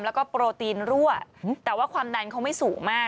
แล้วก็โปรตีนรั่วแต่ว่าความดันเขาไม่สูงมาก